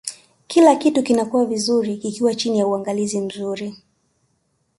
kila kitu kinakuwa vizuri kikiwa chini ya uangalizi mzuri